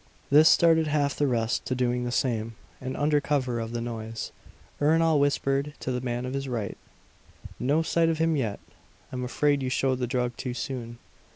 This started half the rest to doing the same; and under cover of the noise, Ernol whispered to the man on his right: "No sight of him yet! I'm afraid you showed the drug too soon."